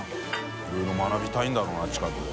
い蹐い学びたいんだろうな近くで。